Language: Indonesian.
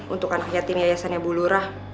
untuk anak yatim yayasannya bulurah